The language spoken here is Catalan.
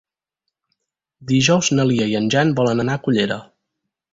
Dijous na Lia i en Jan volen anar a Cullera.